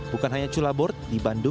bukan hanya cula board